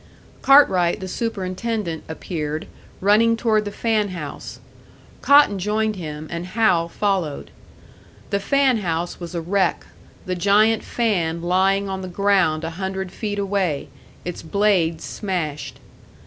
Cartwright, the superintendent, appeared, running toward the fan house. Cotton joined him, and Hal followed. The fan house was a wreck, the giant fan lying on the ground a hundred feet away, its blades smashed.